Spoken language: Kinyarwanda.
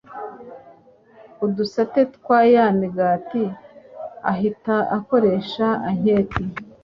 udusate twa ya migati. Ahita akoresha anketi,